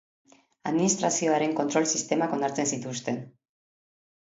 Administrazioaren kontrol sistemak onartzen zituzten.